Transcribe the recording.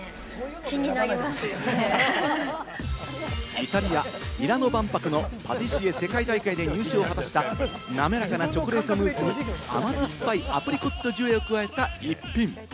イタリア・ミラノ万博のパティシエ世界大会で入賞を果たした滑らかなチョコレートムースに、甘酸っぱいアプリコットジュレを加えた一品。